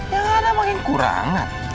yang ada makin kurangan